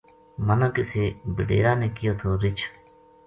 منا کسے بڈیرا نے کہیو تھو رِچھ